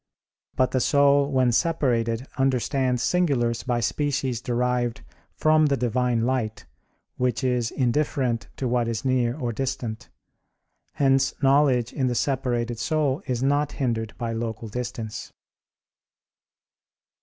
But the soul when separated understands singulars by species derived from the Divine light, which is indifferent to what is near or distant. Hence knowledge in the separated soul is not hindered by local distance.